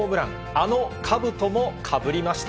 あのかぶともかぶりました。